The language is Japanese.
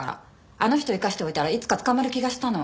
あの人生かしておいたらいつか捕まる気がしたの。